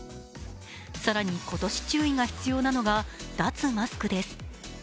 更に、今年注意が必要なのが脱マスクです。